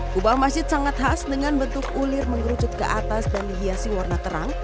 kubah masjid sangat khas dengan bentuk ulir mengerucut ke atas dan dihiasi warna terang